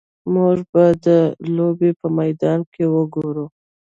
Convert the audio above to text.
موږ به د لوبې په میدان کې وګورو